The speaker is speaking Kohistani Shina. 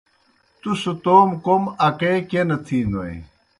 تُوْس توموْ کوْم اکے کیْہ نہ تِھینوئے؟